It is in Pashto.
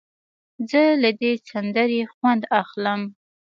زه له دې سندرې خوند اخلم.